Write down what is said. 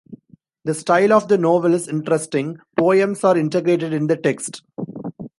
The style of the novel is interesting: Poems are integrated in the text.